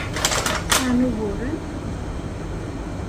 Sɛan uguren?